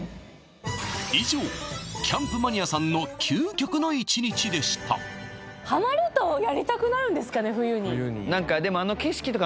以上キャンプマニアさんの究極の１日でしたハマるとやりたくなるんですかね